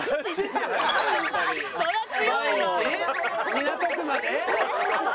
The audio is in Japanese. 港区まで！？